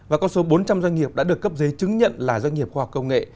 và con số bốn trăm linh doanh nghiệp đã được cấp giấy chứng nhận là doanh nghiệp khoa học công nghệ